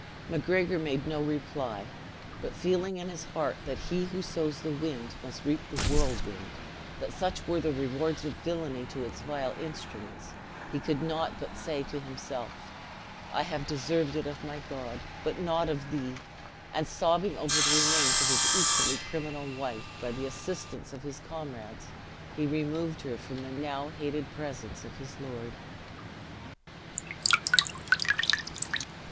Macgregor made no reply, but feeling in his heart that he "who sows the wind, must reap the whirlwind;" that such were the rewards from villainy, to its vile instruments; he could not but say to himself, "I have deserved it of my God, but not of thee!" and sobbing over the remains of his equally criminal wife, by the assistance of his comrades he removed her from the now hated presence of his lord.